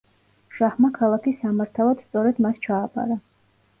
შაჰმა ქალაქი სამართავად სწორედ მას ჩააბარა.